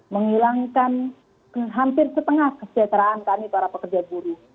menghilangkan hampir setengah kesejahteraan kami para pekerja buruh